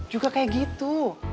juga kayak gitu